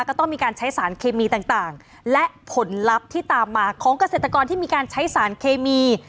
ก็ต้องมีการใช้สารเคมีต่างและผลลัพธ์ที่ตามมาของเกษตรกรที่มีการใช้สารเคมี